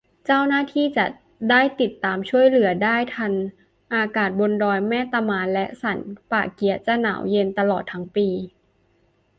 เจ้าหน้าที่จะได้ติดตามช่วยเหลือได้ทัน อากาศบนดอยแม่ตะมานและสันป่าเกี๊ยะจะหนาวเย็นตลอดทั้งปี